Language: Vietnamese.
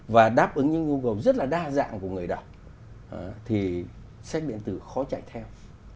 và đáp ứng những nhu cầu rất là đa dạng của người đọc thì sách điện tử khó chạy theo